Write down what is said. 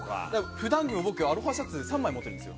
普段着も僕、アロハシャツ３枚持ってるんですよ。